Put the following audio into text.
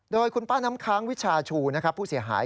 โดยคุณป้าน้ำค้างวิชาชูนะครับผู้เสียหาย